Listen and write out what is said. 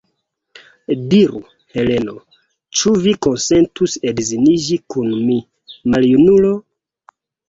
Diru, Heleno, ĉu vi konsentus edziniĝi kun mi, maljunulo?